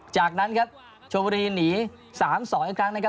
จากนั้นครับชมบุรีหนี๓๒อีกครั้งนะครับ